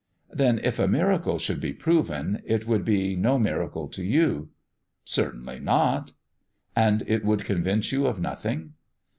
"Then if a miracle could be proven, it would be no miracle to you?" "Certainly not." "And it could convince you of nothing?"